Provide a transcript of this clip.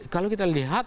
kalau kita lihat